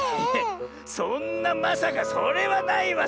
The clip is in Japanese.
そんなまさかそれはないわ